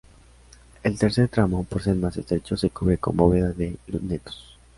El tercer tramo, por ser más estrecho, se cubre con bóveda de lunetos.